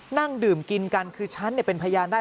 นั่งดื่มกินกันคือฉันเป็นพยานได้